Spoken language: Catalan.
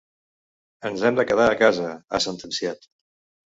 Ens hem de quedar a casa, ha sentenciat.